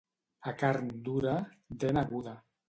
A carn dura, dent aguda.